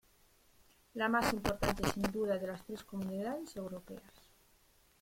La más importante, sin duda, de las tres Comunidades Europeas.